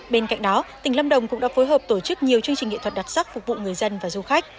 bên cạnh đó tỉnh lâm đồng cũng đã phối hợp tổ chức nhiều chương trình nghệ thuật đặc sắc phục vụ người dân và du khách